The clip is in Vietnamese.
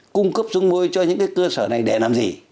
cung cấp giống môi cho những cơ sở này để làm gì